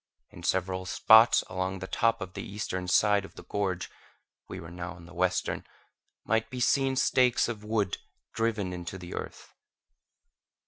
In several spots along the top of the eastern side of the gorge (we were now on the western) might be seen stakes of wood driven into the earth.